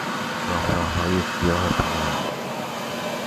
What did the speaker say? راه راههای سیاه پلنگ